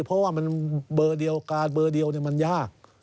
เพราะว่ามันเบอร์เดียวการเบอร์เดียวมันยาก